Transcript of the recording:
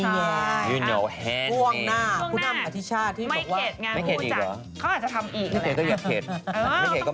ใช่ครับปวงหน้าคุณอำอธิชาที่บอกว่าปวงหน้า